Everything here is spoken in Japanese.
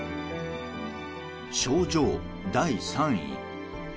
症状第３位。